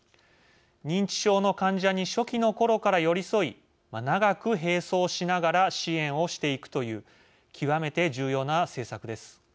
認知症の患者に初期のころから寄り添い長く並走しながら支援をしていくという極めて重要な政策です。